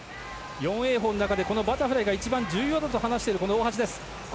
４泳法の中でバタフライが一番重要だと話している大橋。